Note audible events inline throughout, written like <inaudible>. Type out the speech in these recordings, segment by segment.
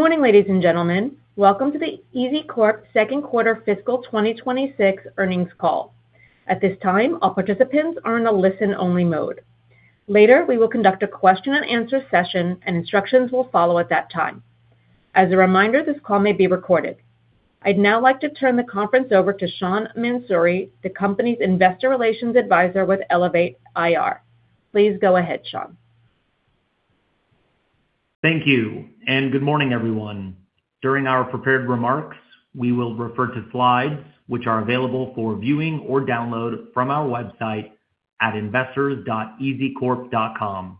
Good morning, ladies and gentlemen. Welcome to the EZCORP second quarter fiscal 2026 earnings call. At this time, all participants are in a listen-only mode. Later, we will conduct a question-and-answer session, and instructions will follow at that time. As a reminder, this call may be recorded. I'd now like to turn the conference over to Sean Mansouri, the company's investor relations advisor with Elevate IR. Please go ahead, Sean. Thank you, and good morning, everyone. During our prepared remarks, we will refer to slides which are available for viewing or download from our website at investors.ezcorp.com.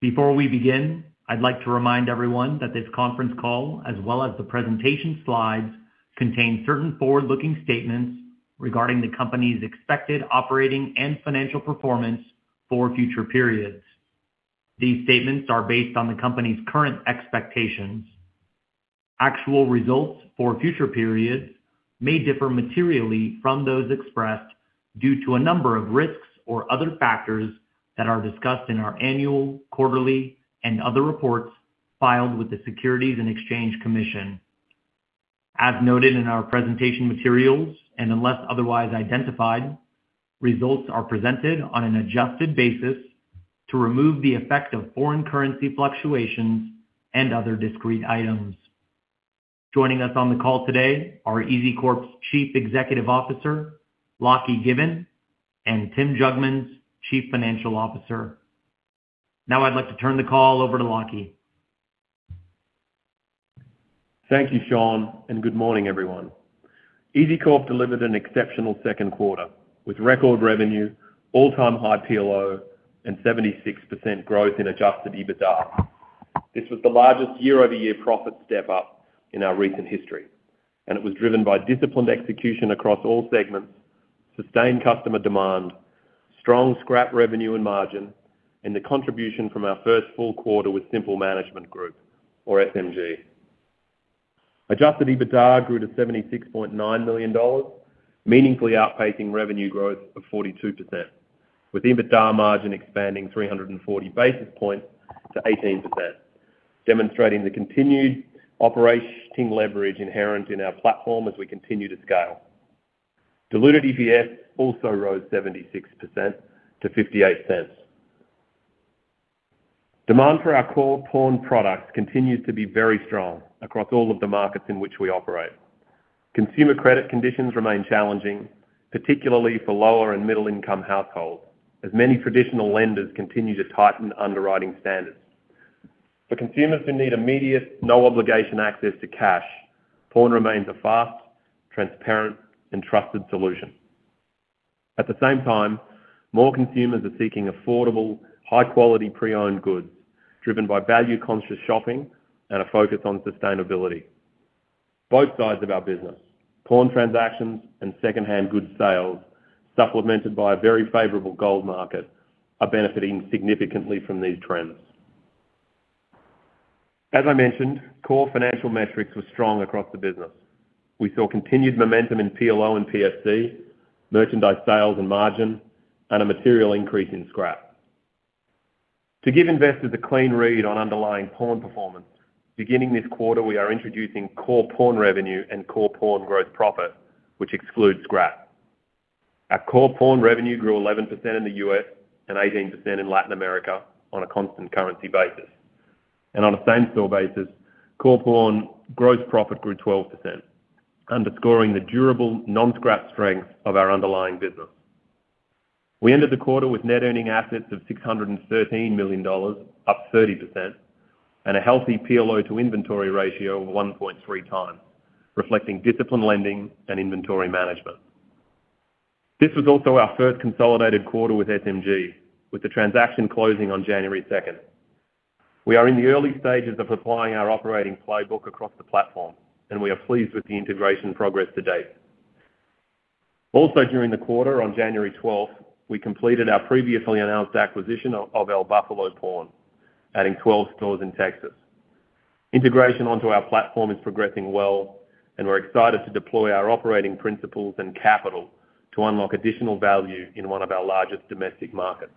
Before we begin, I'd like to remind everyone that this conference call, as well as the presentation slides, contain certain forward-looking statements regarding the company's expected operating and financial performance for future periods. These statements are based on the company's current expectations. Actual results for future periods may differ materially from those expressed due to a number of risks or other factors that are discussed in our annual, quarterly, and other reports filed with the Securities and Exchange Commission. As noted in our presentation materials, and unless otherwise identified, results are presented on an adjusted basis to remove the effect of foreign currency fluctuations and other discrete items. Joining us on the call today are EZCORP's Chief Executive Officer, Lachie Given, and Tim Jugmans, Chief Financial Officer. I'd like to turn the call over to Lachie. Thank you, Sean, and good morning, everyone. EZCORP delivered an exceptional second quarter with record revenue, all-time high PLO, and 76% growth in adjusted EBITDA. This was the largest year-over-year profit step-up in our recent history, and it was driven by disciplined execution across all segments, sustained customer demand, strong scrap revenue and margin, and the contribution from our first full quarter with Simple Management Group, or SMG. Adjusted EBITDA grew to $76.9 million, meaningfully outpacing revenue growth of 42%, with EBITDA margin expanding 340 basis points to 18%, demonstrating the continued operating leverage inherent in our platform as we continue to scale. Diluted EPS also rose 76% to $0.58. Demand for our core pawn products continues to be very strong across all of the markets in which we operate. Consumer credit conditions remain challenging, particularly for lower and middle-income households, as many traditional lenders continue to tighten underwriting standards. For consumers who need immediate, no-obligation access to cash, pawn remains a fast, transparent, and trusted solution. At the same time, more consumers are seeking affordable, high-quality pre-owned goods, driven by value-conscious shopping and a focus on sustainability. Both sides of our business, pawn transactions and secondhand goods sales, supplemented by a very favorable gold market, are benefiting significantly from these trends. As I mentioned, core financial metrics were strong across the business. We saw continued momentum in PLO and PSC, merchandise sales and margin, and a material increase in scrap. To give investors a clean read on underlying pawn performance, beginning this quarter, we are introducing core pawn revenue and core pawn gross profit, which excludes scrap. Our core pawn revenue grew 11% in the U.S. and 18% in Latin America on a constant currency basis. On a same-store basis, core pawn gross profit grew 12%, underscoring the durable non-scrap strength of our underlying business. We ended the quarter with net earning assets of $613 million, up 30%, and a healthy PLO-to-inventory ratio of 1.3x, reflecting disciplined lending and inventory management. This was also our first consolidated quarter with SMG, with the transaction closing on January 2nd. We are in the early stages of applying our operating playbook across the platform, and we are pleased with the integration progress to date. Also during the quarter, on January 12th, we completed our previously announced acquisition of El Bufalo Pawn, adding 12 stores in Texas. Integration onto our platform is progressing well, and we're excited to deploy our operating principles and capital to unlock additional value in one of our largest domestic markets.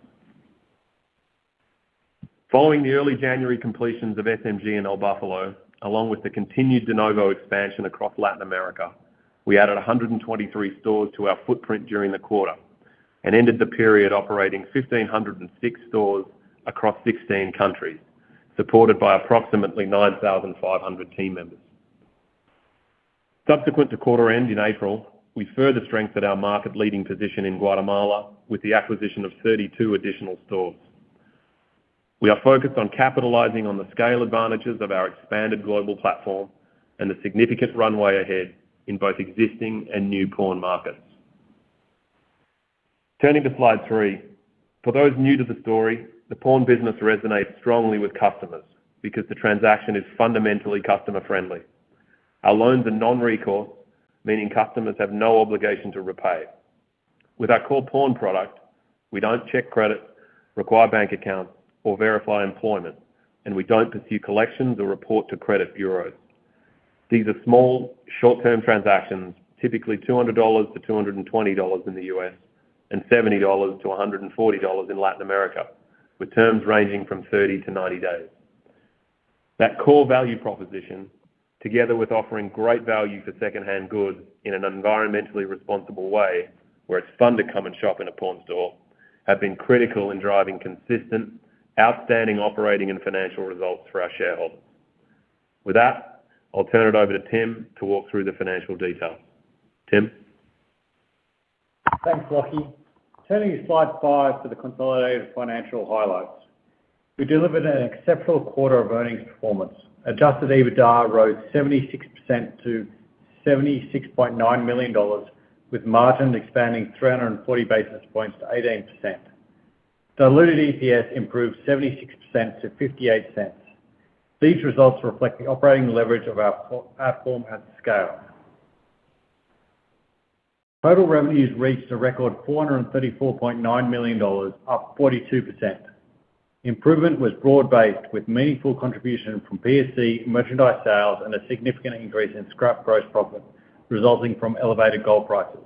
Following the early January completions of SMG and El Bufalo, along with the continued de novo expansion across Latin America, we added 123 stores to our footprint during the quarter and ended the period operating 1,506 stores across 16 countries, supported by approximately 9,500 team members. Subsequent to quarter end in April, we further strengthened our market-leading position in Guatemala with the acquisition of 32 additional stores. We are focused on capitalizing on the scale advantages of our expanded global platform and the significant runway ahead in both existing and new pawn markets. Turning to slide three. For those new to the story, the pawn business resonates strongly with customers because the transaction is fundamentally customer-friendly. Our loans are non-recourse, meaning customers have no obligation to repay. With our core pawn product, we don't check credit, require bank accounts, or verify employment, and we don't pursue collections or report to credit bureaus. These are small short-term transactions, typically $200-$220 in the U.S., and $70-$140 in Latin America, with terms ranging from 30-90 days. That core value proposition, together with offering great value for secondhand goods in an environmentally responsible way, where it's fun to come and shop in a pawn store, have been critical in driving consistent, outstanding operating and financial results for our shareholders. With that, I'll turn it over to Tim to walk through the financial detail. Tim? Thanks, Lachie. Turning to slide five for the consolidated financial highlights. We delivered an exceptional quarter of earnings performance. Adjusted EBITDA rose 76% to $76.9 million, with margin expanding 340 basis points to 18%. Diluted EPS improved 76% to $0.58. These results reflect the operating leverage of our platform and scale. Total revenues reached a record $434.9 million, up 42%. Improvement was broad-based with meaningful contribution from PSC merchandise sales and a significant increase in scrap gross profit resulting from elevated gold prices.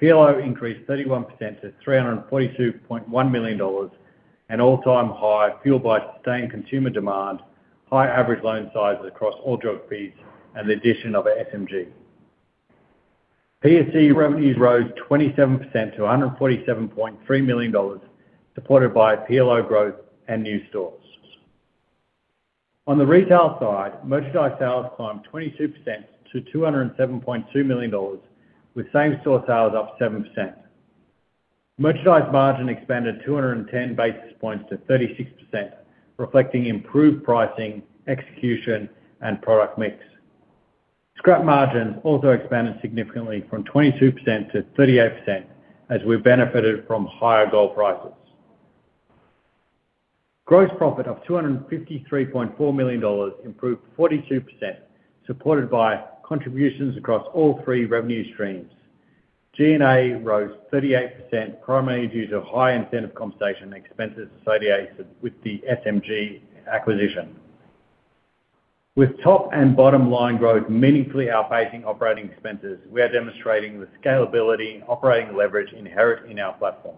PLO increased 31% to $342.1 million, an all-time high fueled by sustained consumer demand, high average loan sizes across all geographies, and the addition of SMG. PSC revenues rose 27% to $147.3 million, supported by PLO growth and new stores. On the retail side, merchandise sales climbed 22% to $207.2 million, with same-store sales up 7%. Merchandise margin expanded 210 basis points to 36%, reflecting improved pricing, execution, and product mix. Scrap margin also expanded significantly from 22%-38% as we benefited from higher gold prices. Gross profit of $253.4 million improved 42%, supported by contributions across all three revenue streams. G&A rose 38%, primarily due to high incentive compensation expenses associated with the SMG acquisition. With top and bottom line growth meaningfully outpacing operating expenses, we are demonstrating the scalability and operating leverage inherent in our platform.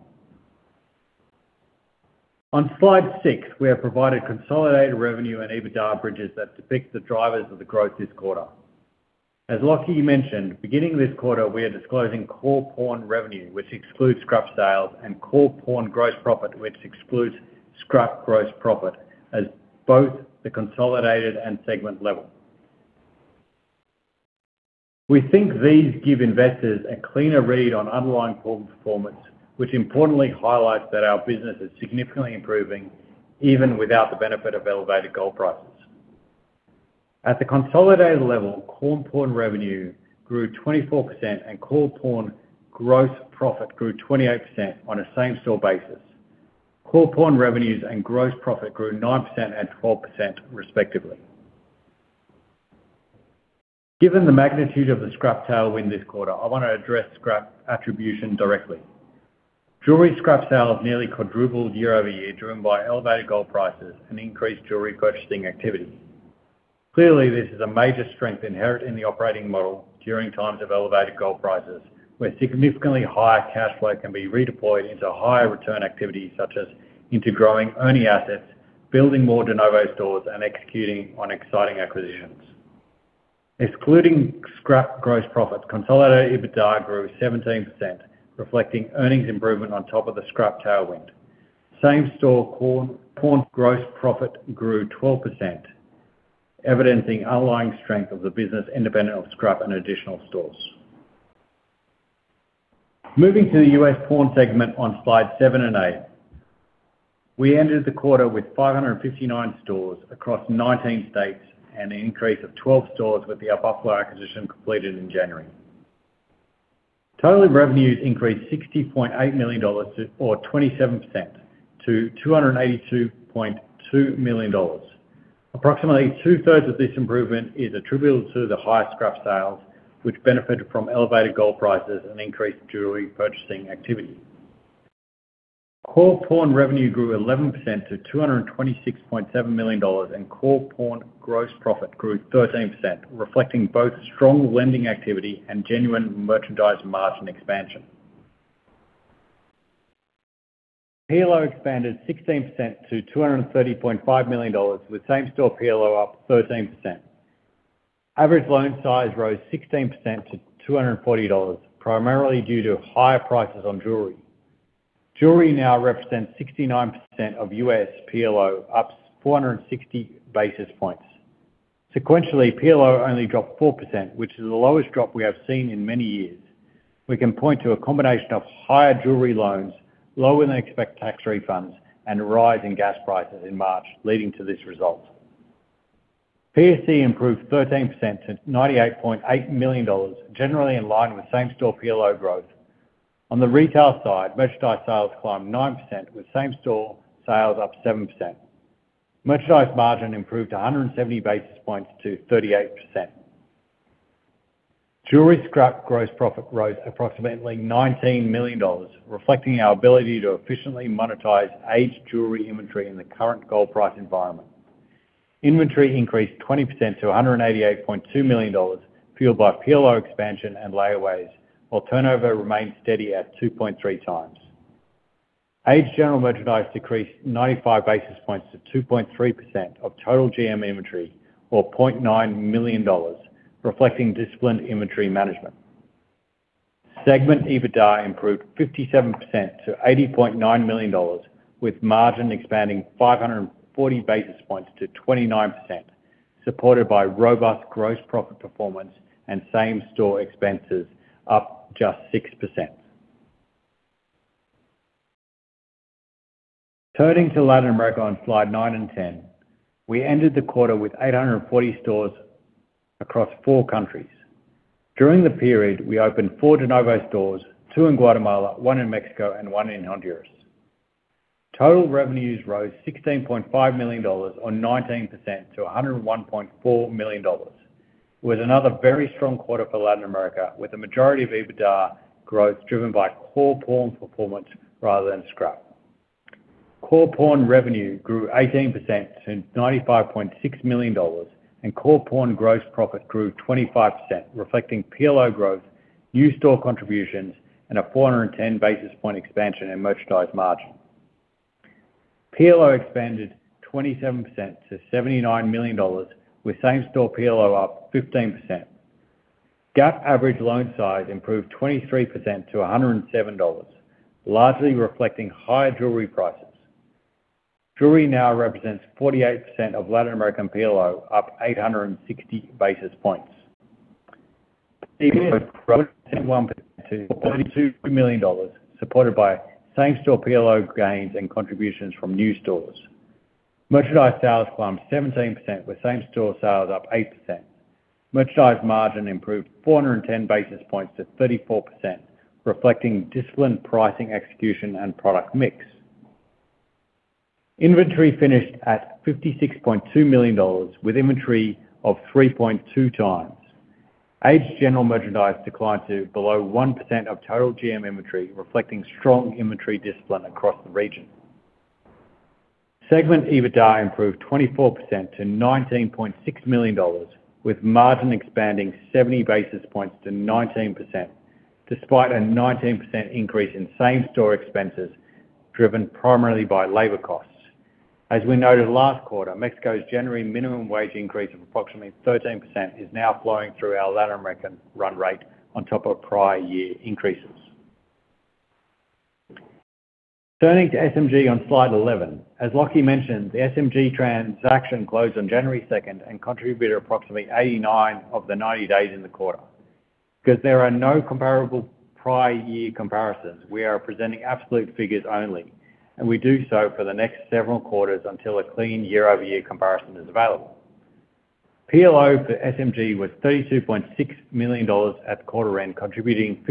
On slide six, we have provided consolidated revenue and EBITDA bridges that depict the drivers of the growth this quarter. As Lachie mentioned, beginning this quarter, we are disclosing core pawn revenue, which excludes scrap sales, and core pawn gross profit, which excludes scrap gross profit as both the consolidated and segment level. We think these give investors a cleaner read on underlying pawn performance, which importantly highlights that our business is significantly improving even without the benefit of elevated gold prices. At the consolidated level, core pawn revenue grew 24% and core pawn gross profit grew 28% on a same-store basis. Core pawn revenues and gross profit grew 9% and 12% respectively. Given the magnitude of the scrap tailwind this quarter, I want to address scrap attribution directly. Jewelry scrap sales nearly quadrupled year-over-year, driven by elevated gold prices and increased jewelry purchasing activity. Clearly, this is a major strength inherent in the operating model during times of elevated gold prices, where significantly higher cash flow can be redeployed into higher return activities, such as into growing earning assets, building more de novo stores, and executing on exciting acquisitions. Excluding scrap gross profits, consolidated EBITDA grew 17%, reflecting earnings improvement on top of the scrap tailwind. Same-store core pawn gross profit grew 12%, evidencing underlying strength of the business independent of scrap and additional stores. Moving to the U.S. pawn segment on slide seven and eight. We ended the quarter with 559 stores across 19 states and an increase of 12 stores with the El Bufalo Pawn acquisition completed in January. Total revenues increased $60.8 million or 27% to $282.2 million. Approximately 2/3 of this improvement is attributable to the higher scrap sales, which benefited from elevated gold prices and increased jewelry purchasing activity. Core pawn revenue grew 11% to $226.7 million, and core pawn gross profit grew 13%, reflecting both strong lending activity and genuine merchandise margin expansion. PLO expanded 16% to $230.5 million, with same store PLO up 13%. Average loan size rose 16% to $240, primarily due to higher prices on jewelry. Jewelry now represents 69% of U.S. PLO, up 460 basis points. Sequentially, PLO only dropped 4%, which is the lowest drop we have seen in many years. We can point to a combination of higher jewelry loans, lower-than-expected tax refunds, and a rise in gas prices in March leading to this result. PSC improved 13% to $98.8 million, generally in line with same store PLO growth. On the retail side, merchandise sales climbed 9%, with same store sales up 7%. Merchandise margin improved 170 basis points to 38%. Jewelry scrap gross profit rose approximately $19 million, reflecting our ability to efficiently monetize aged jewelry inventory in the current gold price environment. Inventory increased 20% to $188.2 million, fueled by PLO expansion and layaways, while turnover remained steady at 2.3x. Aged general merchandise decreased 95 basis points to 2.3% of total GM inventory or $0.9 million, reflecting disciplined inventory management. Segment EBITDA improved 57% to $89.9 million, with margin expanding 540 basis points to 29%, supported by robust gross profit performance and same-store expenses up just 6%. Turning to Latin America on Slide nine and 10. We ended the quarter with 840 stores across four countries. During the period, we opened four de novo stores, two in Guatemala, one in Mexico, and one in Honduras. Total revenues rose $16.5 million on 19% to $101.4 million. It was another very strong quarter for Latin America, with the majority of EBITDA growth driven by core pawn performance rather than scrap. Core pawn revenue grew 18% to $95.6 million, and core pawn gross profit grew 25%, reflecting PLO growth, new store contributions, and a 410 basis point expansion in merchandise margin. PLO expanded 27% to $79 million, with same-store PLO up 15%. GAAP average loan size improved 23% to $107, largely reflecting higher jewelry prices. Jewelry now represents 48% of Latin American PLO, up 860 basis points. EBITDA grew 21% to $32 million, supported by same-store PLO gains and contributions from new stores. Merchandise sales climbed 17%, with same-store sales up 8%. Merchandise margin improved 410 basis points to 34%, reflecting disciplined pricing execution and product mix. Inventory finished at $56.2 million, with inventory of 3.2x. Aged general merchandise declined to below 1% of total GM inventory, reflecting strong inventory discipline across the region. Segment EBITDA improved 24% to $19.6 million, with margin expanding 70 basis points to 19%, despite a 19% increase in same-store expenses driven primarily by labor costs. As we noted last quarter, Mexico's January minimum wage increase of approximately 13% is now flowing through our Latin American run rate on top of prior year increases. Turning to SMG on slide 11. As Lachie mentioned, the SMG transaction closed on January second and contributed approximately 89 of the 90 days in the quarter. Because there are no comparable prior year comparisons, we are presenting absolute figures only, and we do so for the next several quarters until a clean year-over-year comparison is available. PLO for SMG was $32.6 million at the quarter end, contributing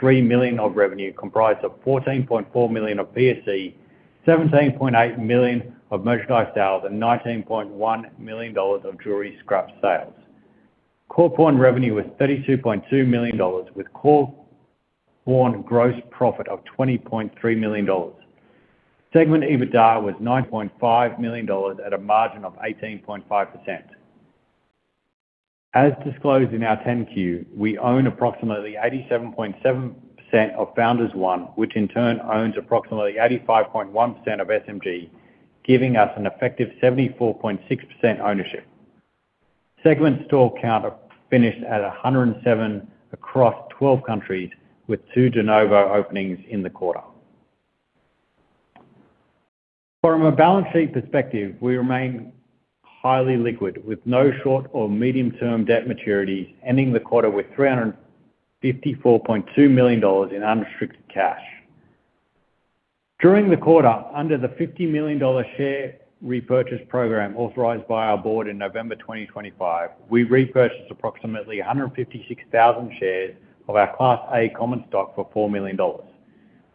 $51.3 million of revenue comprised of $14.4 million of PSC, $17.8 million of merchandise sales, and $19.1 million of jewelry scrap sales. Core pawn revenue was $32.2 million with core pawn gross profit of $20.3 million. Segment EBITDA was $9.5 million at a margin of 18.5%. As disclosed in our 10-Q, we own approximately 87.7% of Founders One, which in turn owns approximately 85.1% of SMG, giving us an effective 74.6% ownership. Segment store count finished at 107 across 12 countries with two de novo openings in the quarter. From a balance sheet perspective, we remain highly liquid with no short or medium-term debt maturities, ending the quarter with $354.2 million in unrestricted cash. During the quarter, under the $50 million share repurchase program authorized by our board in November 2025, we repurchased approximately 156,000 shares of our Class A common stock for $4 million.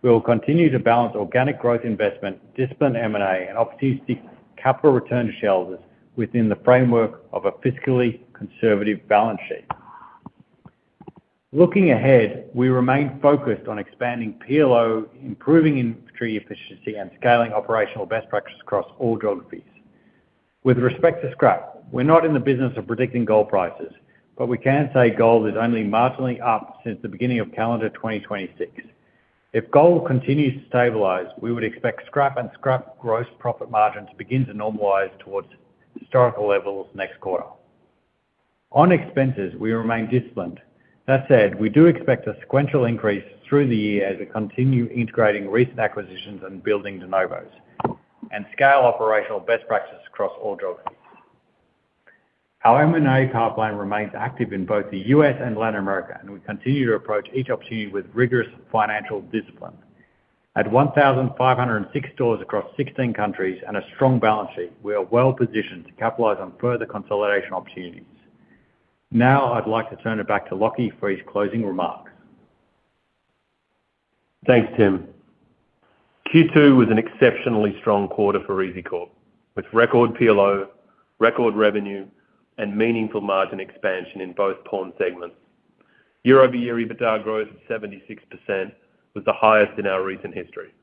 We will continue to balance organic growth investment, disciplined M&A, and opportunistic capital return to shareholders within the framework of a fiscally conservative balance sheet. Looking ahead, we remain focused on expanding PLO, improving inventory efficiency, and scaling operational best practices across all geographies. With respect to scrap, we are not in the business of predicting gold prices, but we can say gold is only marginally up since the beginning of calendar 2026. If gold continues to stabilize, we would expect scrap and scrap gross profit margin to begin to normalize towards historical levels next quarter. On expenses, we remain disciplined. That said, we do expect a sequential increase through the year as we continue integrating recent acquisitions and building de novos and scale operational best practices across all geographies. Our M&A pipeline remains active in both the U.S. and Latin America, and we continue to approach each opportunity with rigorous financial discipline. At 1,506 stores across 16 countries and a strong balance sheet, we are well-positioned to capitalize on further consolidation opportunities. Now, I'd like to turn it back to Lachie for his closing remarks. Thanks, Tim. Q2 was an exceptionally strong quarter for EZCORP, with record PLO, record revenue and meaningful margin expansion in both pawn segments. Year-over-year, EBITDA growth of 76% was the highest in our recent history.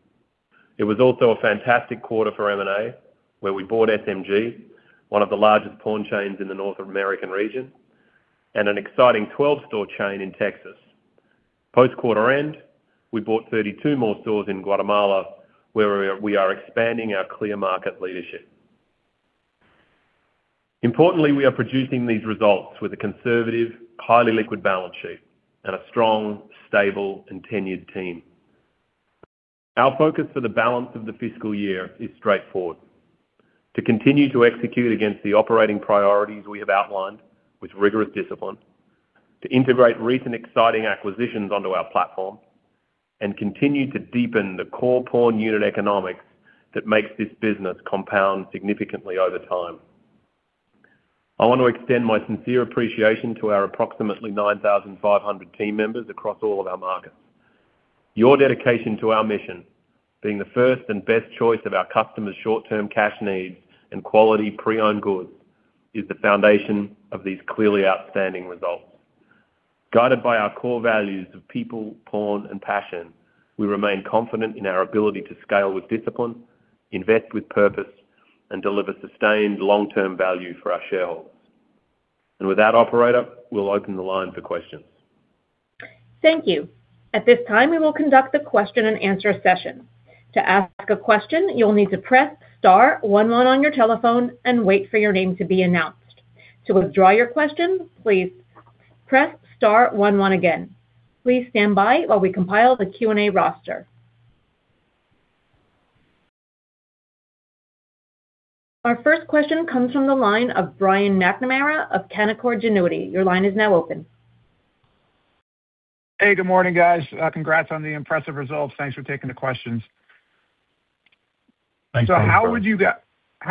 It was also a fantastic quarter for M&A, where we bought SMG, one of the largest pawn chains in the North American region, and an exciting 12-store chain in Texas. Post quarter end, we bought 32 more stores in Guatemala, where we are expanding our clear market leadership. Importantly, we are producing these results with a conservative, highly liquid balance sheet and a strong, stable and tenured team. Our focus for the balance of the fiscal year is straightforward. To continue to execute against the operating priorities we have outlined with rigorous discipline, to integrate recent exciting acquisitions onto our platform, and continue to deepen the core pawn unit economics that makes this business compound significantly over time. I want to extend my sincere appreciation to our approximately 9,500 team members across all of our markets. Your dedication to our mission, being the first and best choice of our customers' short-term cash needs and quality pre-owned goods, is the foundation of these clearly outstanding results. Guided by our core values of people, pawn and passion, we remain confident in our ability to scale with discipline, invest with purpose, and deliver sustained long-term value for our shareholders. With that operator, we'll open the line for questions. Thank you. Our first question comes from the line of Brian McNamara of Canaccord Genuity. Your line is now open. Hey, good morning, guys. Congrats on the impressive results. Thanks for taking the questions. Thanks, <crosstalk> Brian. How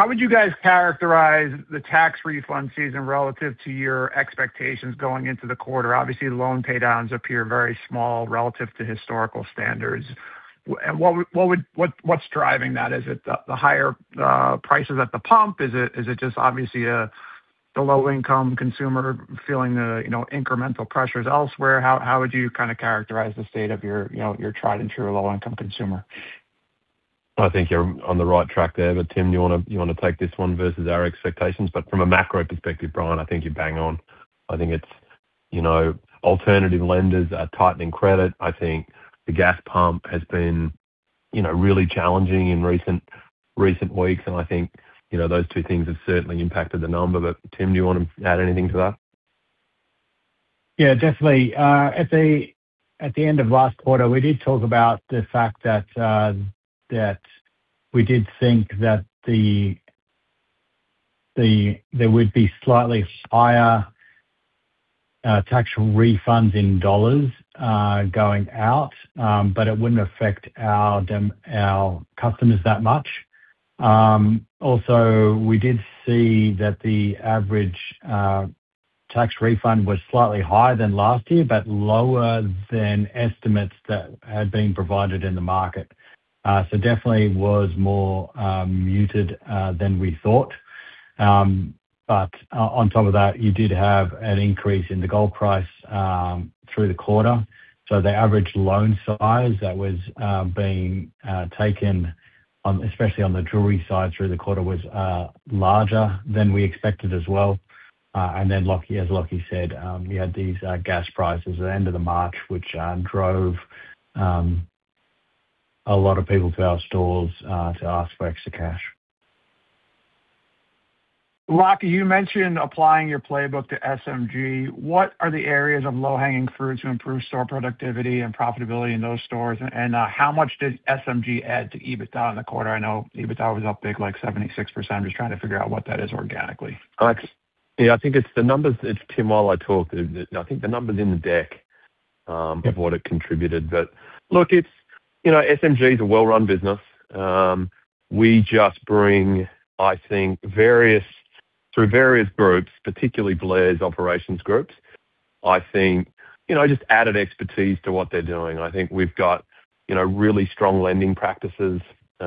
would you guys characterize the tax refund season relative to your expectations going into the quarter? Obviously, the loan pay downs appear very small relative to historical standards. What's driving that? Is it the higher prices at the pump? Is it, is it just obviously, the low-income consumer feeling the, you know, incremental pressures elsewhere? How would you kind of characterize the state of your, you know, your tried and true low-income consumer? I think you're on the right track there. Tim, you wanna take this one versus our expectations? From a macro perspective, Brian, I think you're bang on. I think it's, you know, alternative lenders are tightening credit. I think the gas pump has been, you know, really challenging in recent weeks. I think, you know, those two things have certainly impacted the number. Tim, do you want to add anything to that? Definitely. At the end of last quarter, we did talk about the fact that we did think that there would be slightly higher tax refunds in dollars going out, but it wouldn't affect our customers that much. Also, we did see that the average tax refund was slightly higher than last year, but lower than estimates that had been provided in the market. Definitely was more muted than we thought. On top of that, you did have an increase in the gold price through the quarter. The average loan size that was being taken on, especially on the jewelry side through the quarter was larger than we expected as well. Lachie, as Lachie said, you had these gas prices at the end of March, which drove a lot of people to our stores to ask for extra cash. Lachie, you mentioned applying your playbook to SMG. What are the areas of low-hanging fruit to improve store productivity and profitability in those stores? How much did SMG add to EBITDA in the quarter? I know EBITDA was up big, like 76%. I'm just trying to figure out what that is organically. Yeah, I think it's the numbers. It's Tim, while I talk. I think the numbers in the deck. Yep. Of what it contributed. Look, it's, you know, SMG is a well-run business. We just bring, I think, through various groups, particularly Blair's operations groups, I think, you know, just added expertise to what they're doing. I think we've got, you know, really strong lending practices. You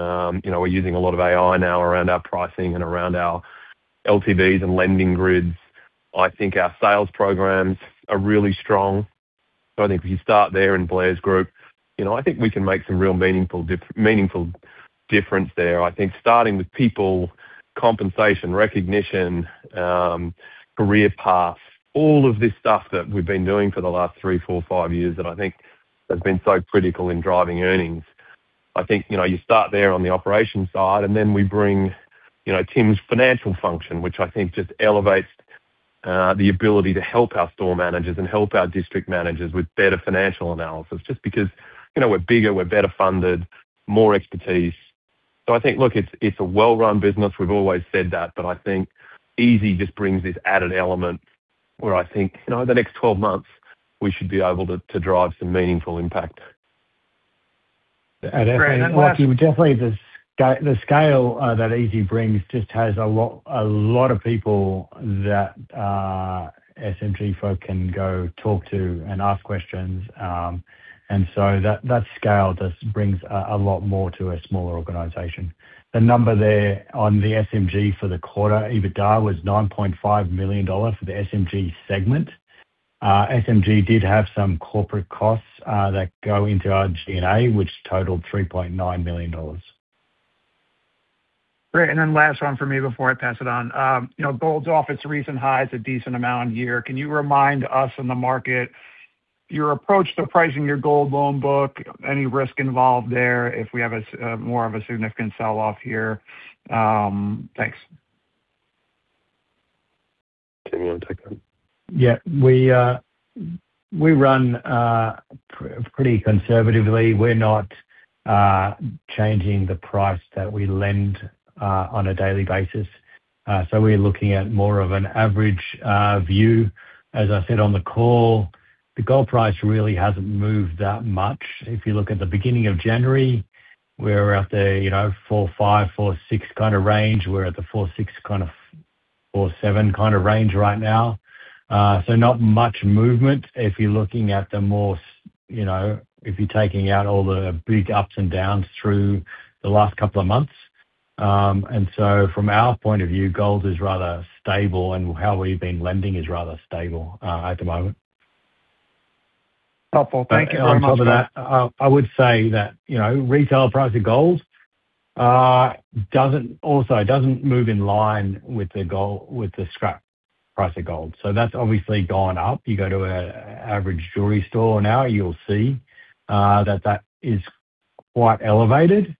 know, we're using a lot of AI now around our pricing and around our LTVs and lending grids. I think our sales programs are really strong. I think if you start there in Blair's group, you know, I think we can make some real meaningful difference there. I think starting with people, compensation, recognition, career paths, all of this stuff that we've been doing for the last three, four, five years that I think has been so critical in driving earnings. I think, you know, you start there on the operations side. Then we bring, you know, Tim's financial function, which I think just elevates the ability to help our store managers and help our district managers with better financial analysis. Just because, you know, we're bigger, we're better funded, more expertise. I think, look, it's a well-run business. We've always said that. I think EZCORP just brings this added element where I think, you know, the next 12 months, we should be able to drive some meaningful impact. At EZCORP, look, <crosstalk> definitely the scale that EZCORP brings just has a lot of people that Simple Management Group folk can go talk to and ask questions. That scale just brings a lot more to a smaller organization. The number there on the SMG for the quarter EBITDA was $9.5 million for the SMG segment. SMG did have some corporate costs that go into our G&A, which totaled $3.9 million. Great. Last one for me before I pass it on. You know, gold's off its recent highs, a decent amount year. Can you remind us and the market your approach to pricing your gold loan book? Any risk involved there if we have a more of a significant sell-off here? Thanks. Tim, you wanna take that? Yeah. We run pretty conservatively. We're not changing the price that we lend on a daily basis. We're looking at more of an average view. As I said on the call, the gold price really hasn't moved that much. If you look at the beginning of January, we're at the, you know, 4.5-4.6 kinda range. We're at the 4.6-4.7 kinda range right now. Not much movement if you're looking at the more you know, if you're taking out all the big ups and downs through the last couple of months. From our point of view, gold is rather stable and how we've been lending is rather stable at the moment. Helpful. <crosstalk> Thank you very much. On top of that, I would say that, you know, retail price of gold, also doesn't move in line with the scrap price of gold. That's obviously gone up. You go to a average jewelry store now, you'll see that is quite elevated.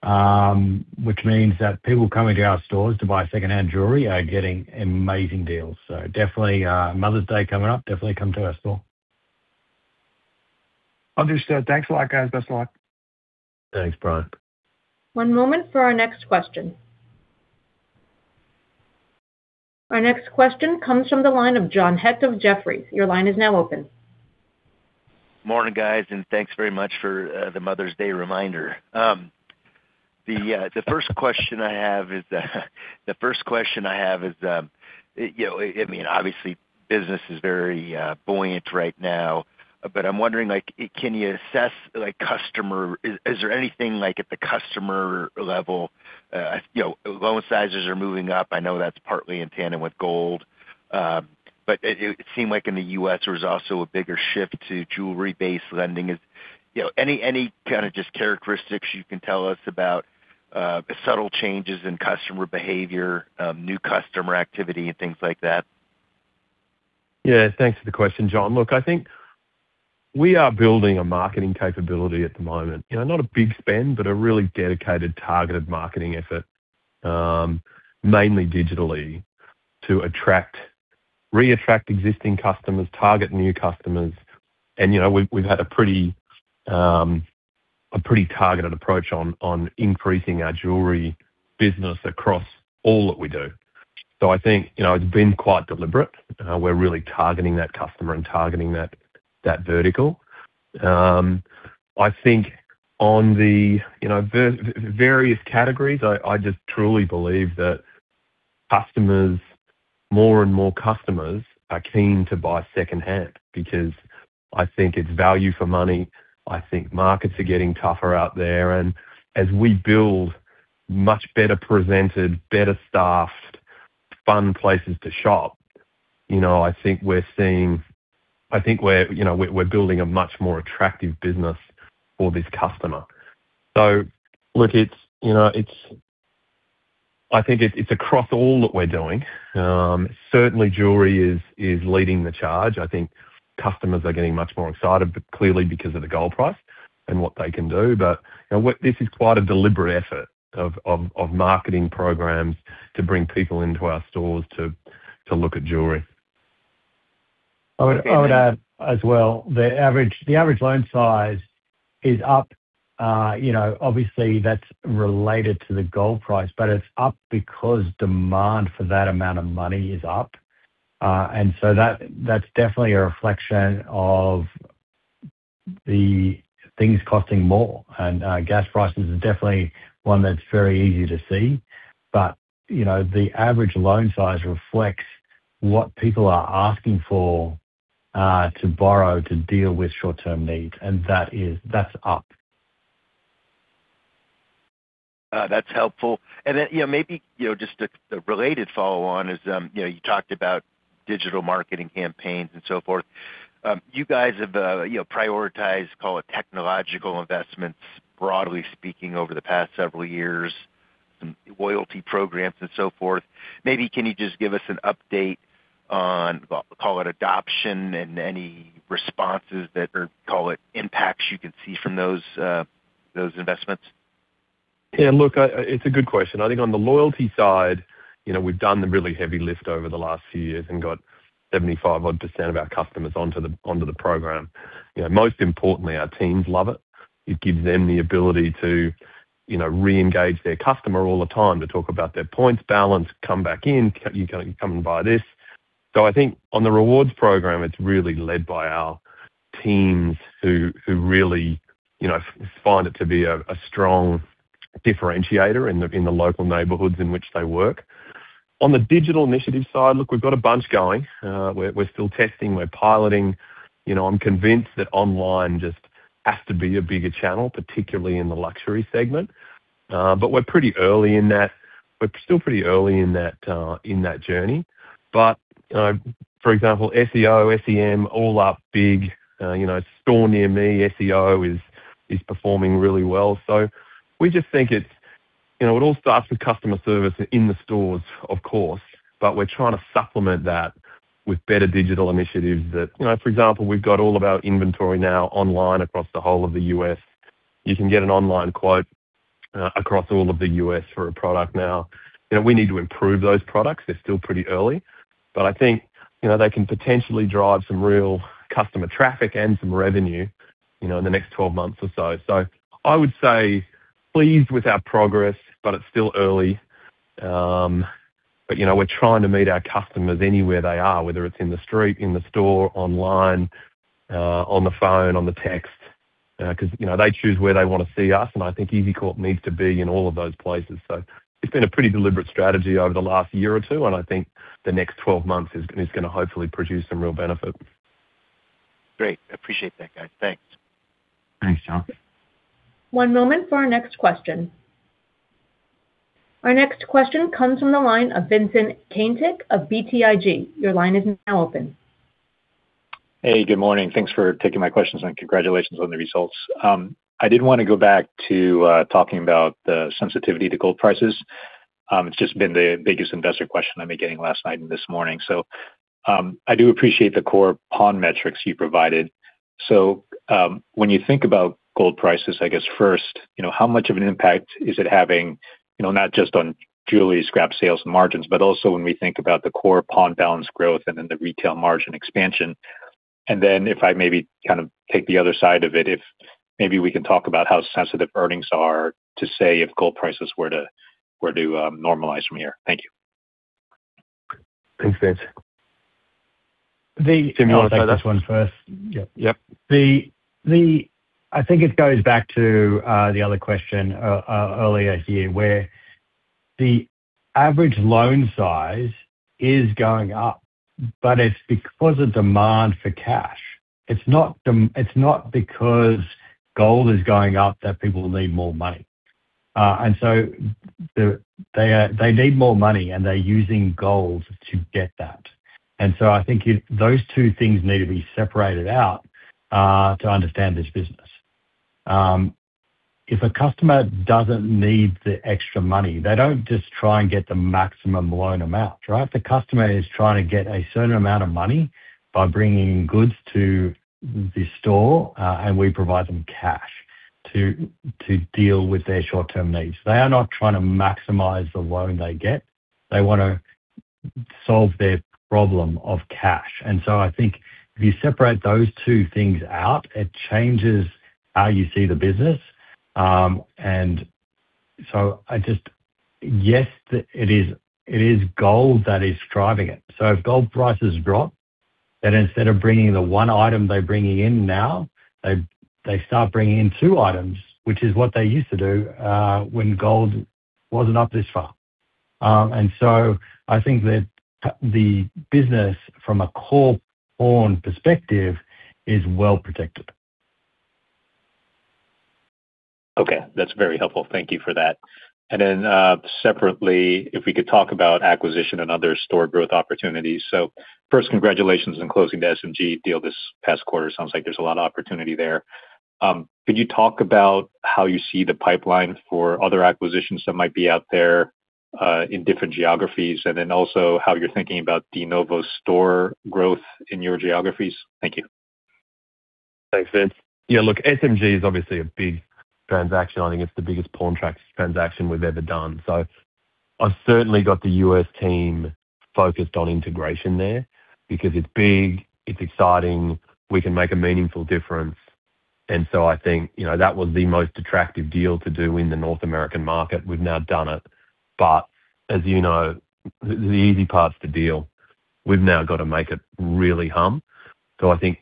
Which means that people coming to our stores to buy secondhand jewelry are getting amazing deals. Definitely, Mother's Day coming up, definitely come to our store. Understood. Thanks a lot, guys. Best of luck. Thanks, Brian. One moment for our next question. Our next question comes from the line of John Hecht of Jefferies. Your line is now open. Morning, guys, and thanks very much for the Mother's Day reminder. The first question I have is, you know, I mean, obviously business is very buoyant right now, but I'm wondering, like, can you assess, like, customer? Is there anything, like, at the customer level? You know, loan sizes are moving up. I know that's partly in tandem with gold. It seemed like in the U.S. there was also a bigger shift to jewelry-based lending. Is, you know, any kind of just characteristics you can tell us about, subtle changes in customer behavior, new customer activity and things like that? Thanks for the question, John. Look, I think we are building a marketing capability at the moment. You know, not a big spend, but a really dedicated targeted marketing effort, mainly digitally, to attract, re-attract existing customers, target new customers. You know, we've had a pretty targeted approach on increasing our jewelry business across all that we do. I think, you know, it's been quite deliberate. We're really targeting that customer and targeting that vertical. I think on the, you know, various categories, I just truly believe that customers, more and more customers are keen to buy second-hand because I think it's value for money, I think markets are getting tougher out there. As we build much better presented, better staffed, fun places to shop, you know, I think we're, you know, we're building a much more attractive business for this customer. Look, it's, you know, I think it's across all that we're doing. Certainly jewelry is leading the charge. I think customers are getting much more excited, but clearly because of the gold price and what they can do. You know, this is quite a deliberate effort of marketing programs to bring people into our stores to look at jewelry. I would add as well, the average loan size is up. You know, obviously that's related to the gold price, but it's up because demand for that amount of money is up. That's definitely a reflection of the things costing more. Gas prices is definitely one that's very easy to see. You know, the average loan size reflects what people are asking for to borrow to deal with short-term needs. That's up. That's helpful. You know, maybe, you know, just a related follow on is, you know, you talked about digital marketing campaigns and so forth. You guys have, you know, prioritized, call it technological investments, broadly speaking, over the past several years, some loyalty programs and so forth. Maybe can you just give us an update on, call it adoption and any responses that or call it impacts you can see from those investments? Yeah, look, it's a good question. I think on the loyalty side, you know, we've done the really heavy lift over the last few years and got 75% odd of our customers onto the program. You know, most importantly, our teams love it. It gives them the ability to, you know, re-engage their customer all the time to talk about their points balance, come back in, you come and buy this. I think on the rewards program, it's really led by our teams who really, you know, find it to be a strong differentiator in the local neighborhoods in which they work. On the digital initiative side, look, we've got a bunch going. We're still testing, we're piloting. You know, I'm convinced that online just has to be a bigger channel, particularly in the luxury segment. We're pretty early in that. We're still pretty early in that, in that journey. For example, SEO, SEM, all up big. You know, store near me, SEO is performing really well. We just think it's, you know, it all starts with customer service in the stores, of course, but we're trying to supplement that with better digital initiatives that You know, for example, we've got all of our inventory now online across the whole of the U.S. You can get an online quote, across all of the U.S. for a product now. You know, we need to improve those products. They're still pretty early, I think, you know, they can potentially drive some real customer traffic and some revenue, you know, in the next 12 months or so. I would say pleased with our progress, it's still early. You know, we're trying to meet our customers anywhere they are, whether it's in the street, in the store, online, on the phone, on the text, 'cause, you know, they choose where they wanna see us, and I think EZCORP needs to be in all of those places. It's been a pretty deliberate strategy over the last year or two, and I think the next 12 months is gonna hopefully produce some real benefit. Great. Appreciate that, guys. Thanks. Thanks, John. One moment for our next question. Our next question comes from the line of Vincent Caintic of BTIG. Your line is now open. Hey, good morning. Thanks for taking my questions, and congratulations on the results. I did wanna go back to talking about the sensitivity to gold prices. It's just been the biggest investor question I've been getting last night and this morning. I do appreciate the core pawn metrics you provided. When you think about gold prices, I guess first, you know, how much of an impact is it having, you know, not just on jewelry, scrap sales, and margins, but also when we think about the core pawn balance growth and then the retail margin expansion? If I maybe kind of take the other side of it, if maybe we can talk about how sensitive earnings are to say if gold prices were to normalize from here. Thank you. Thanks, Vince. The. Tim, you wanna take that? I'll take this one first. Yep. I think it goes back to the other question earlier here, where the average loan size is going up, but it's because of demand for cash. It's not because gold is going up that people need more money. They need more money, and they're using gold to get that. I think those two things need to be separated out to understand this business. If a customer doesn't need the extra money, they don't just try and get the maximum loan amount, right? The customer is trying to get a certain amount of money by bringing goods to the store, and we provide them cash to deal with their short-term needs. They are not trying to maximize the loan they get. They wanna solve their problem of cash. I think if you separate those two things out, it changes how you see the business. Yes, it is gold that is driving it. If gold prices drop, then instead of bringing the one item they're bringing in now, they start bringing in two items, which is what they used to do, when gold wasn't up this far. I think that the business from a core pawn perspective is well protected. Okay. That's very helpful. Thank you for that. Separately, if we could talk about acquisition and other store growth opportunities. First, congratulations on closing the SMG deal this past quarter. Sounds like there's a lot of opportunity there. Could you talk about how you see the pipeline for other acquisitions that might be out there, in different geographies, and then also how you're thinking about de novo store growth in your geographies? Thank you. Thanks, Vince. Yeah, look, SMG is obviously a big transaction. I think it's the biggest pawn [Trax] transaction we've ever done. I've certainly got the U.S. team focused on integration there because it's big, it's exciting, we can make a meaningful difference. I think, you know, that was the most attractive deal to do in the North American market. We've now done it. As you know, the easy part's the deal. We've now got to make it really hum. I think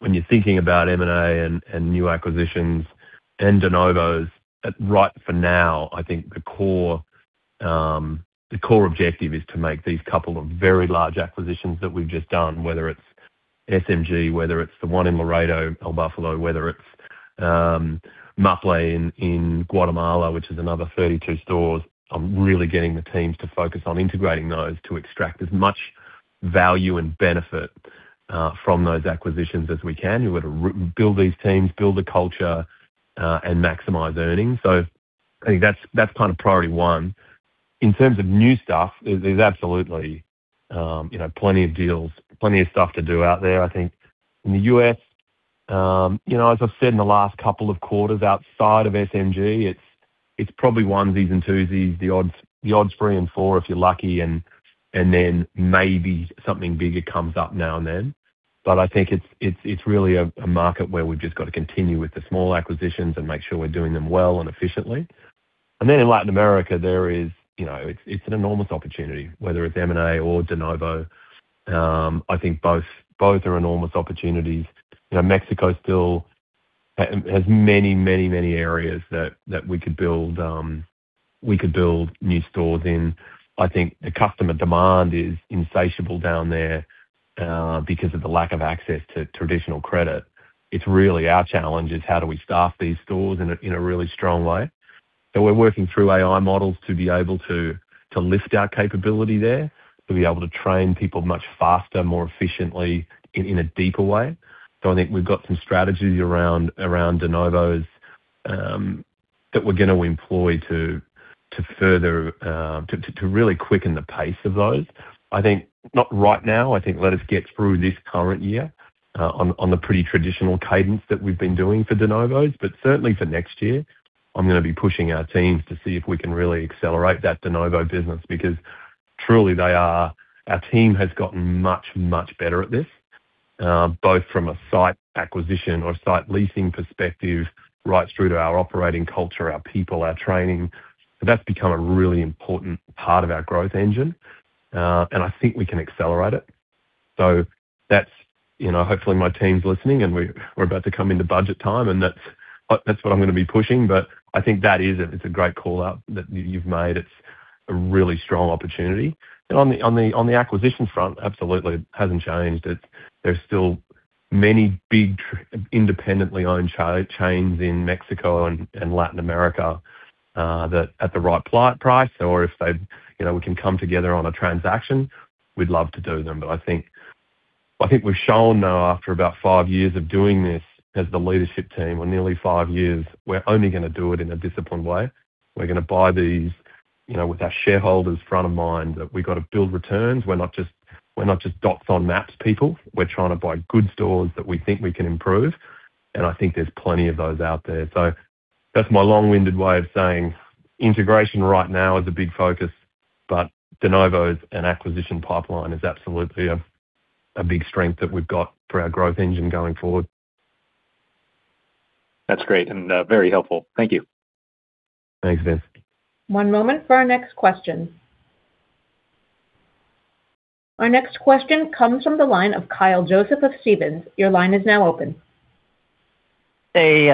when you're thinking about M&A and new acquisitions and de novos, right for now, I think the core, the core objective is to make these couple of very large acquisitions that we've just done, whether it's SMG, whether it's the one in Laredo, El Bufalo, whether it's GuatePrenda in Guatemala, which is another 32 stores. I'm really getting the teams to focus on integrating those to extract as much value and benefit from those acquisitions as we can. We've got to build these teams, build the culture and maximize earnings. I think that's kind of priority one. In terms of new stuff, there's absolutely, you know, plenty of deals, plenty of stuff to do out there. I think in the U.S., you know, as I've said in the last couple of quarters, outside of SMG, it's probably onesies and twosies, the odds three and four if you're lucky. Maybe something bigger comes up now and then. I think it's really a market where we've just got to continue with the small acquisitions and make sure we're doing them well and efficiently. In Latin America, there is, you know, it's an enormous opportunity, whether it's M&A or de novo. I think both are enormous opportunities. You know, Mexico still has many areas that we could build, we could build new stores in. I think the customer demand is insatiable down there because of the lack of access to traditional credit. It's really our challenge is how do we staff these stores in a really strong way. We're working through AI models to be able to lift our capability there, to be able to train people much faster, more efficiently in a deeper way. I think we've got some strategies around de novos that we're gonna employ to further really quicken the pace of those. I think not right now, I think let us get through this current year on the pretty traditional cadence that we've been doing for de novos. Certainly for next year, I'm gonna be pushing our teams to see if we can really accelerate that de novo business because truly our team has gotten much better at this, both from a site acquisition or site leasing perspective right through to our operating culture, our people, our training. That's become a really important part of our growth engine, and I think we can accelerate it. That's, you know, hopefully, my team's listening, and we're about to come into budget time, and that's what I'm gonna be pushing. I think that is a, it's a great call-out that you've made. It's a really strong opportunity. On the acquisition front, absolutely hasn't changed. There's still many big independently owned chains in Mexico and Latin America that at the right price or if they, you know, we can come together on a transaction, we'd love to do them. I think we've shown now after about five years of doing this as the leadership team, or nearly five years, we're only gonna do it in a disciplined way. We're gonna buy these, you know, with our shareholders front of mind, that we've got to build returns. We're not just dots on maps, people. We're trying to buy good stores that we think we can improve. I think there's plenty of those out there. That's my long-winded way of saying integration right now is a big focus, but de novos and acquisition pipeline is absolutely a big strength that we've got for our growth engine going forward. That's great and very helpful. Thank you. Thanks, Vince. One moment for our next question. Our next question comes from the line of Kyle Joseph of Stephens. Your line is now open. Hey.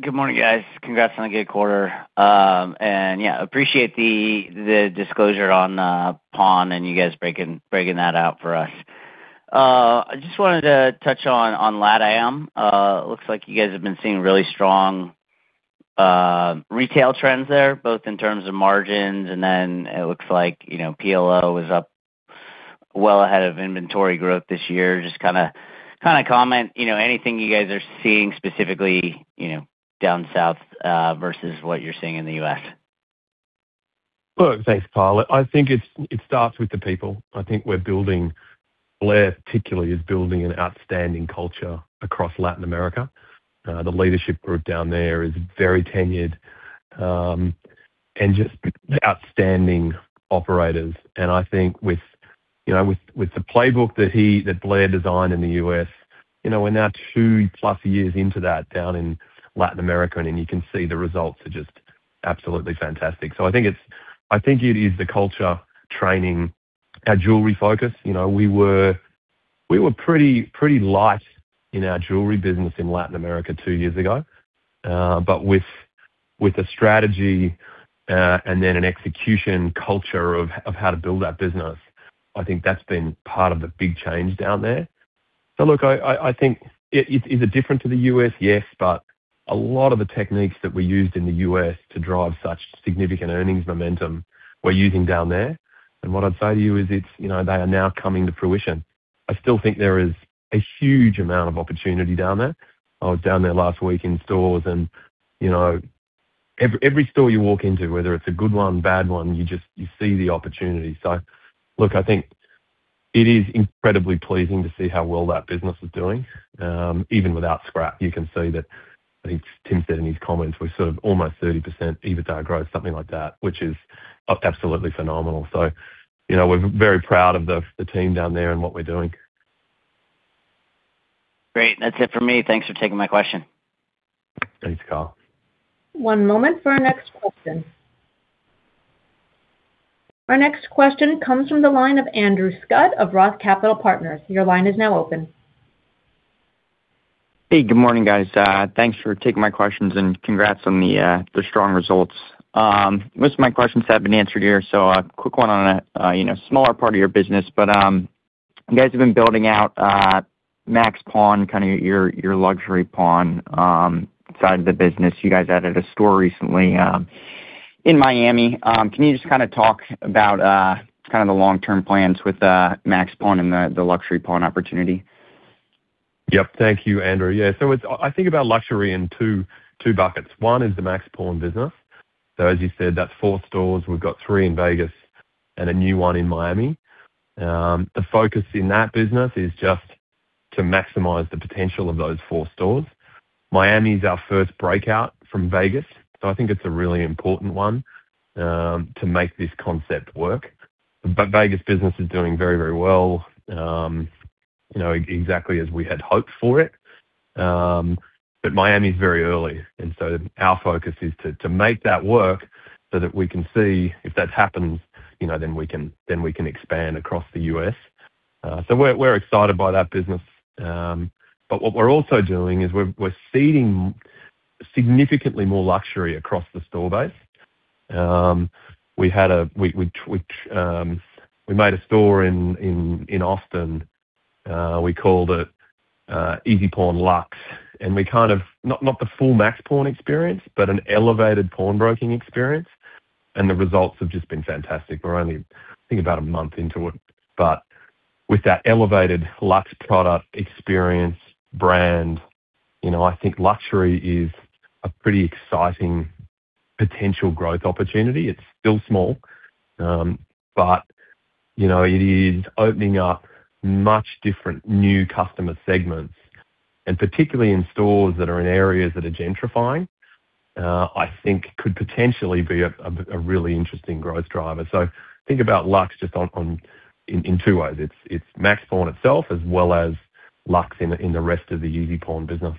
Good morning, guys. Congrats on a good quarter. Yeah, appreciate the disclosure on pawn and you guys breaking that out for us. I just wanted to touch on Lat Am. Looks like you guys have been seeing really strong retail trends there, both in terms of margins, and then it looks like, you know, PLO is up well ahead of inventory growth this year. Just kinda comment, you know, anything you guys are seeing specifically, you know, down south versus what you're seeing in the U.S. Look, thanks, Kyle. I think it starts with the people. I think Blair particularly is building an outstanding culture across Latin America. The leadership group down there is very tenured and just outstanding operators. I think with, you know, with the playbook that Blair designed in the U.S., you know, we're now two-plus years into that down in Latin America, and you can see the results are just absolutely fantastic. I think it is the culture training, our jewelry focus. You know, we were pretty light in our jewelry business in Latin America two years ago. With a strategy, and then an execution culture of how to build that business, I think that's been part of the big change down there. Look, I think is it different to the U.S.? Yes. A lot of the techniques that we used in the U.S. to drive such significant earnings momentum we're using down there. What I'd say to you is it's, you know, they are now coming to fruition. I still think there is a huge amount of opportunity down there. I was down there last week in stores and, you know, every store you walk into, whether it's a good one, bad one, you see the opportunity. Look, I think it is incredibly pleasing to see how well that business is doing. Even without scrap, you can see that, I think Tim said in his comments, we're sort of almost 30% EBITDA growth, something like that, which is absolutely phenomenal. You know, we're very proud of the team down there and what we're doing. Great. That's it for me. Thanks for taking my question. Thanks, Kyle. One moment for our next question. Our next question comes from the line of Andrew Scutt of ROTH Capital Partners. Your line is now open. Hey. Good morning, guys. Thanks for taking my questions, and congrats on the strong results. Most of my questions have been answered here, so a quick one on a, you know, smaller part of your business. You guys have been building out Max Pawn, kinda your luxury pawn side of the business. You guys added a store recently in Miami. Can you just kinda talk about kinda the long-term plans with Max Pawn and the luxury pawn opportunity? Thank you, Andrew. I think about luxury in two buckets. One is the Max Pawn business. As you said, that's four stores. We've got three in Vegas and a new one in Miami. The focus in that business is just to maximize the potential of those four stores. Miami is our first breakout from Vegas, I think it's a really important one to make this concept work. Vegas business is doing very, very well. You know, exactly as we had hoped for it. Miami is very early, our focus is to make that work so that we can see if that happens, you know, we can expand across the U.S. We're excited by that business. What we're also doing is we're seeding significantly more luxury across the store base. We made a store in Austin, we called it EZPAWN Luxe, not the full Max Pawn experience, but an elevated pawnbroking experience. The results have just been fantastic. We're only, I think, about one month into it. With that elevated luxe product experience brand, you know, I think luxury is a pretty exciting potential growth opportunity. It's still small, you know, it is opening up much different new customer segments, and particularly in stores that are in areas that are gentrifying, I think could potentially be a really interesting growth driver. Think about luxe just in two ways. It's Max Pawn itself, as well as Luxe in the rest of the EZPAWN business.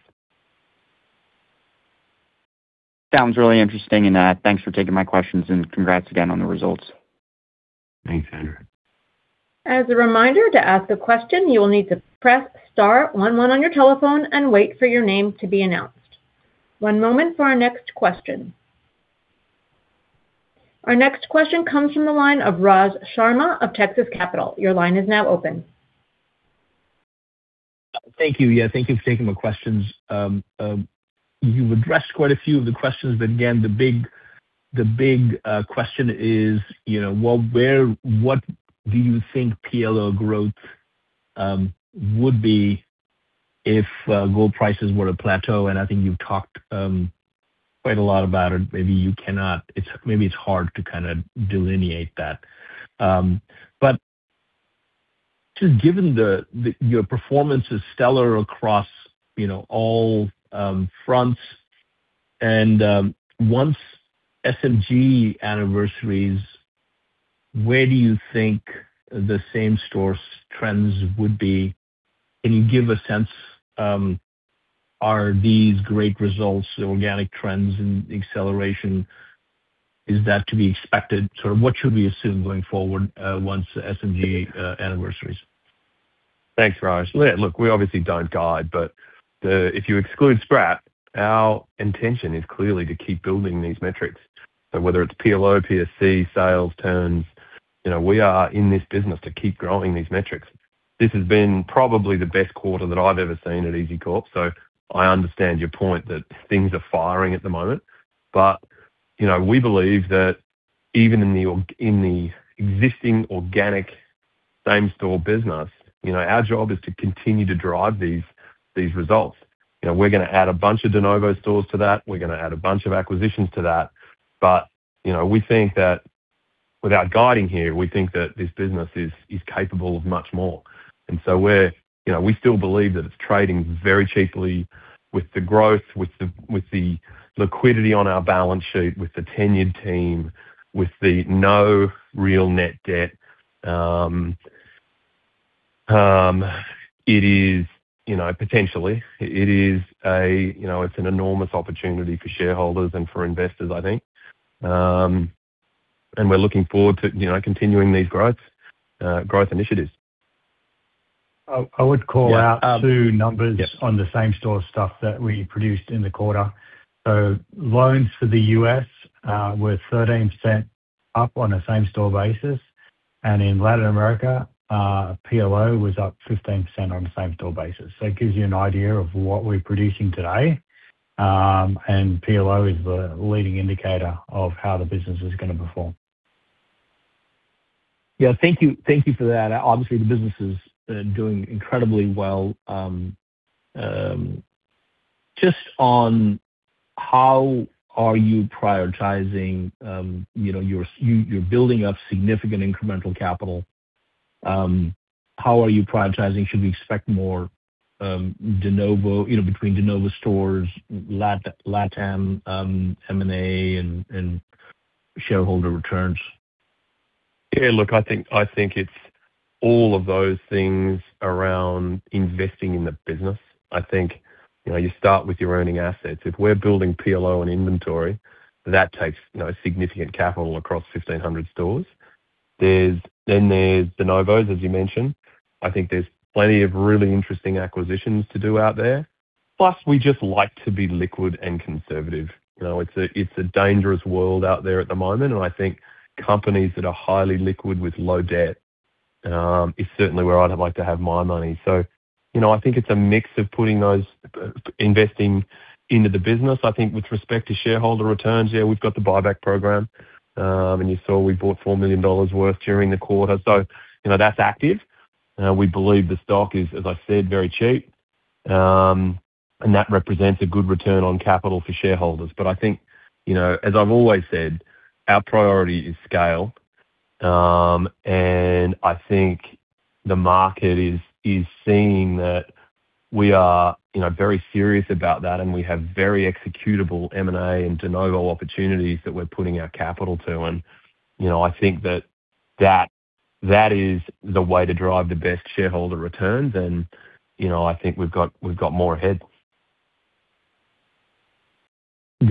Sounds really interesting, and thanks for taking my questions, and congrats again on the results. Thanks, Andrew. One moment for our next question. Our next question comes from the line of Raj Sharma of Texas Capital. Your line is now open. Thank you. Yeah, thank you for taking my questions. You've addressed quite a few of the questions, but again, the big question is, you know, what do you think PLO growth would be if gold prices were to plateau? I think you've talked quite a lot about it. Maybe you cannot. Maybe it's hard to kinda delineate that. But just given your performance is stellar across, you know, all fronts. Once SMG anniversaries, where do you think the same-store trends would be? Can you give a sense, are these great results, the organic trends and acceleration, is that to be expected? Sort of what should we assume going forward, once SMG anniversaries? Thanks, Raj. Look, we obviously don't guide, if you exclude scrap, our intention is clearly to keep building these metrics. Whether it's PLO, PSC, sales, turns, you know, we are in this business to keep growing these metrics. This has been probably the best quarter that I've ever seen at EZCORP, I understand your point that things are firing at the moment. You know, we believe that even in the existing organic same-store business, you know, our job is to continue to drive these results. You know, we're gonna add a bunch of de novo stores to that. We're gonna add a bunch of acquisitions to that. You know, we think that without guiding here, we think that this business is capable of much more. You know, we still believe that it's trading very cheaply with the growth, with the liquidity on our balance sheet, with the tenured team, with the no real net debt. It is, you know, potentially, it's an enormous opportunity for shareholders and for investors, I think. We're looking forward to, you know, continuing these growth initiatives. I would call out. Yeah. Two numbers. Yeah. On the same-store stuff that we produced in the quarter. Loans for the U.S. were 13% up on a same-store basis, and in Latin America, PLO was up 15% on a same-store basis. It gives you an idea of what we're producing today, and PLO is the leading indicator of how the business is gonna perform. Thank you. Thank you for that. Obviously, the business is doing incredibly well. Just on how are you prioritizing, you know, you're building up significant incremental capital. How are you prioritizing? Should we expect more de novo, you know, between de novo stores, LatAm, M&A and shareholder returns? Yeah, look, I think it's all of those things around investing in the business. I think, you know, you start with your earning assets. If we're building PLO and inventory, that takes, you know, significant capital across 1,500 stores. Then there's de novos, as you mentioned. I think there's plenty of really interesting acquisitions to do out there. Plus, we just like to be liquid and conservative. You know, it's a dangerous world out there at the moment, I think companies that are highly liquid with low debt is certainly where I'd like to have my money. You know, I think it's a mix of putting those, investing into the business. I think with respect to shareholder returns, yeah, we've got the buyback program. You saw we bought $4 million worth during the quarter. You know, that's active. We believe the stock is, as I said, very cheap. That represents a good return on capital for shareholders. I think, you know, as I've always said, our priority is scale. I think the market is seeing that. We are, you know, very serious about that. We have very executable M&A and de novo opportunities that we're putting our capital to. You know, I think that is the way to drive the best shareholder returns. You know, I think we've got more ahead.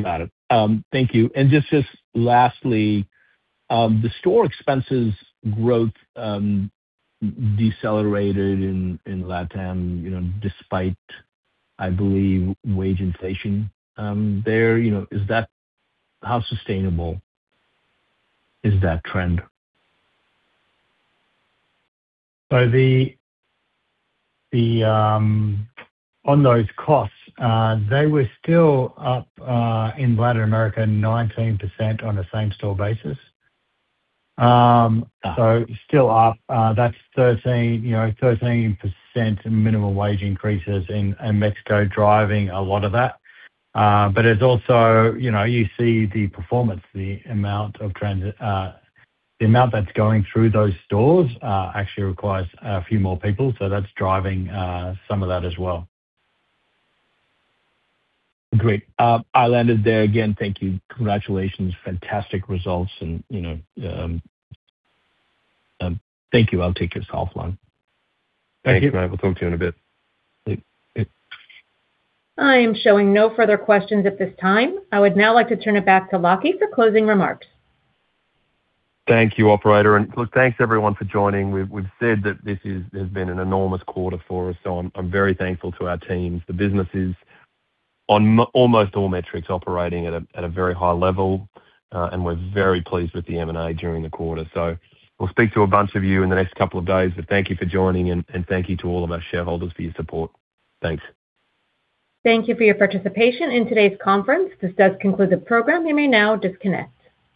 Got it. Thank you. Just lastly, the store expenses growth decelerated in LatAm, you know, despite, I believe, wage inflation there. You know, how sustainable is that trend? On those costs, they were still up in Latin America 19% on a same-store basis. Still up. That's 13% minimum wage increases in Mexico driving a lot of that. It's also, you know, you see the performance, the amount that's going through those stores, actually requires a few more people. That's driving some of that as well. Great. I'll end it there. Again, thank you. Congratulations. Fantastic results and, you know, thank you. I'll take yourself off line. Thank you. Thank you, Raj Sharma. Talk to you in a bit. Thank you. I am showing no further questions at this time. I would now like to turn it back to Lachie for closing remarks. Thank you, operator. Look, thanks everyone for joining. We've said that this has been an enormous quarter for us, so I'm very thankful to our teams. The business is on almost all metrics operating at a very high level, and we're very pleased with the M&A during the quarter. We'll speak to a bunch of you in the next couple of days. Thank you for joining and thank you to all of our shareholders for your support. Thanks. Thank you for your participation in today's conference. This does conclude the program. You may now disconnect.